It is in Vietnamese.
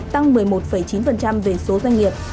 tăng một mươi một chín về số doanh nghiệp